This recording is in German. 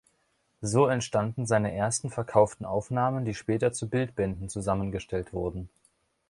So entstanden seine ersten verkauften Aufnahmen, die später zu Bildbänden zusammengestellt wurden.